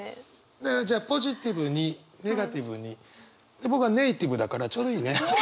だからポジティブにネガティブに僕はネイティブだからちょうどいいね。